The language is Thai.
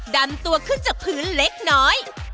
ดันตัวขึ้นจากพื้นเล็กน้อย